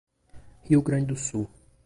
Rio Grande do Sul